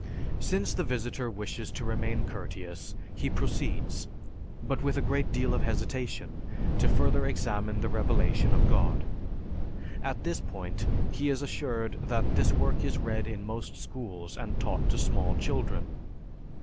Since the visitor wishes to remain courteous he proceeds, but with a great deal of hesitation, to further examine the revelation of God. At this point he is assured that this work is read in most schools and taught to small children.